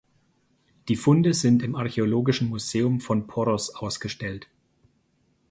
Die Funde sind im Archäologischen Museum von Poros ausgestellt.